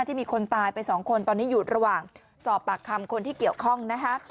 มีคนตายไปสองคนตอนนี้อยู่ระหว่างสอบปากคำคนที่เกี่ยวข้องนะคะ